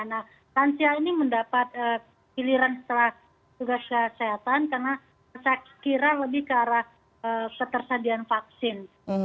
nah lansia ini mendapat giliran setelah tugas kesehatan karena saya kira lebih ke arah ketersediaan vaksin